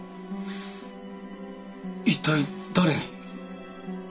一体誰に？